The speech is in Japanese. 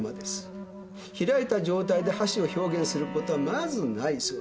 開いた状態で箸を表現する事はまずないそうです。